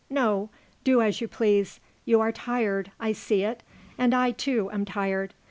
No. Do as you please. You are tired. I see it. And I, too, am tired."